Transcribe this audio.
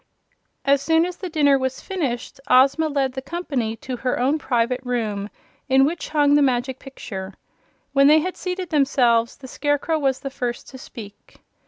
As soon as the dinner was finished Ozma led the company to her own private room in which hung the Magic Picture. When they had seated themselves the Scarecrow was the first to speak.